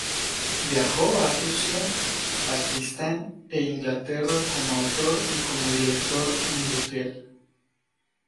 Viajó a Rusia, Pakistán e Inglaterra como autor y como director industrial.